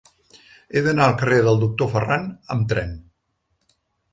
He d'anar al carrer del Doctor Ferran amb tren.